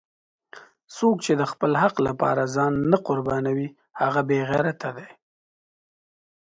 څوک چې د خپل حق لپاره ځان نه قربانوي هغه بېغیرته دی!